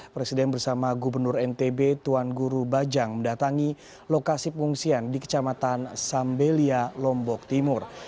presiden bersama gubernur ntb tuan guru bajang mendatangi lokasi pengungsian di kecamatan sambelia lombok timur